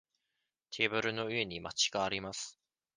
テーブルの上にマッチがあります。